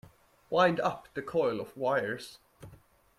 Wind up the coil of wires.